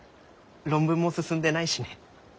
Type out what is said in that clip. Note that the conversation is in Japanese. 論文も進んでないしね。